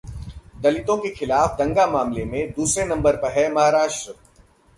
दलितों के खिलाफ दंगा मामले में दूसरे नंबर पर है महाराष्ट्र